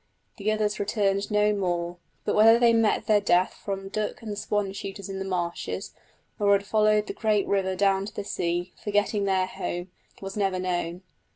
The others returned no more; but whether they met their death from duck and swan shooters in the marshes, or had followed the great river down to the sea, forgetting their home, was never known.